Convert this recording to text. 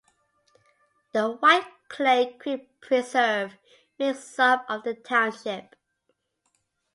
The White Clay Creek Preserve makes up of the township.